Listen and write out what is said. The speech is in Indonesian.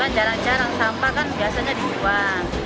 kan jarang jarang sampah kan biasanya dibuang